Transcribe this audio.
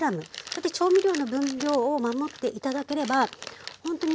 調味料の分量を守って頂ければほんとに便利。